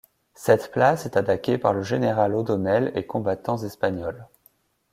Cette place est attaquée par le général O'Donnell et combattants espagnols.